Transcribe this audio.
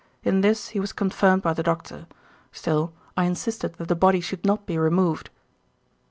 In this he was confirmed by the doctor. Still, I insisted that the body should not be removed."